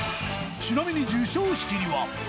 ちなみに授賞式には。